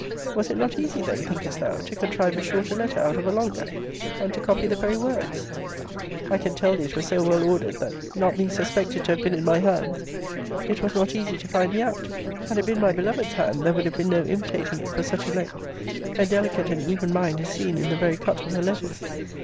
* Was it not easy then, thinkest thou, to contrive a shorter letter out of a longer; and to copy the very words? * See Letter XX. of this volume. I can tell thee, it was so well ordered, that, not being suspected to have been in my hands, it was not easy to find me out. Had it been my beloved's hand, there would have been no imitating it for such a length. Her delicate and even mind is seen in the very cut of her letters.